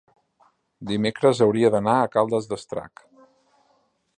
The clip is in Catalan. dimecres hauria d'anar a Caldes d'Estrac.